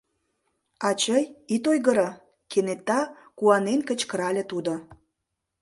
— Ачый, ит ойгыро! — кенета куанен кычкырале тудо.